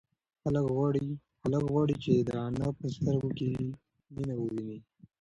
هلک غواړي چې د انا په سترگو کې مینه وویني.